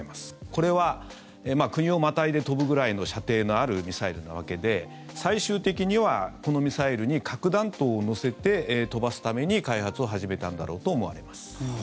これは国をまたいで飛ぶくらいの射程のあるミサイルなわけで最終的には、このミサイルに核弾頭を載せて飛ばすために開発を始めたんだろうと思われます。